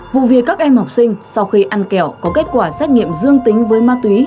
vụ việc các em học sinh sau khi ăn kẹo có kết quả xét nghiệm dương tính với ma túy